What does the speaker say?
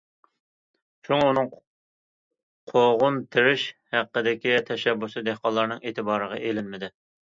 شۇڭا ئۇنىڭ قوغۇن تېرىش ھەققىدىكى تەشەببۇسى دېھقانلارنىڭ ئېتىبارىغا ئېلىنمىدى.